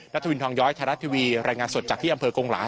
ทวินทองย้อยไทยรัฐทีวีรายงานสดจากที่อำเภอกงหลาย